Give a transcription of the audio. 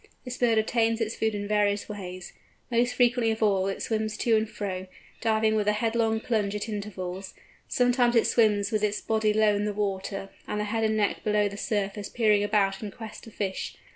This bird obtains its food in various ways. Most frequently of all, it swims to and fro, diving with a headlong plunge at intervals; sometimes it swims with its body low in the water, and the head and neck below the surface peering about in quest of fish.